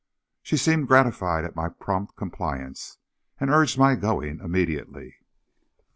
She seemed gratified at my prompt compliance, and urged my going immediately.